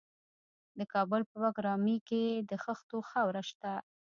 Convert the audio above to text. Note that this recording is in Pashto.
د کابل په بګرامي کې د خښتو خاوره شته.